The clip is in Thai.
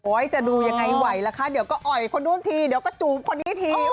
จะดูยังไงไหวล่ะคะเดี๋ยวก็อ่อยคนนู้นทีเดี๋ยวก็จูบคนนี้ที